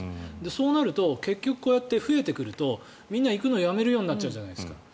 そうなると結局、こうやって増えてくるとみんな行くのやめるようになるじゃないですか。